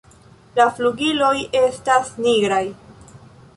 La flugiloj estas nigraj.